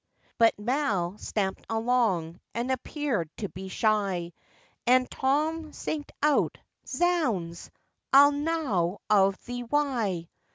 But Mal stamped along, and appeared to be shy, And Tom singed out, 'Zounds! I'll knaw of thee why?